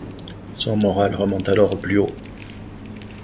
Son moral remonte alors au plus haut.